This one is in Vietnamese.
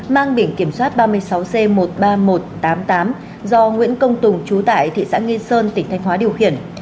mang biển kiểm soát ba mươi sáu c một mươi ba nghìn một trăm tám mươi tám do nguyễn công tùng trú tại thị xã nghi sơn tỉnh thanh hóa điều khiển